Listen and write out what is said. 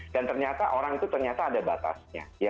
dan ternyata orang itu ternyata ada batasnya